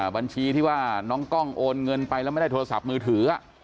บัญชีที่ว่าน้องกล้องโอนเงินไปแล้วไม่ได้โทรศัพท์มือถือ